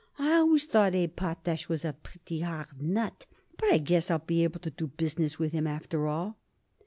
I always thought Abe Potash was a pretty hard nut, but I guess I'll be able to do business with 'em, after all."